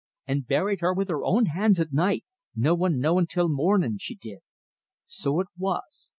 An' buried her with her own hands at night, no one knowin' till the mornin', she did. So it was.